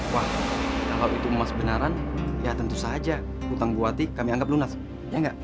wah kalau itu emas benaran ya tentu saja hutang buati kami anggap lunas ya enggak